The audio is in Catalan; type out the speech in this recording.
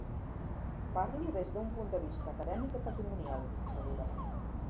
Parlo des d'un punt de vista acadèmic i patrimonial —assegura—.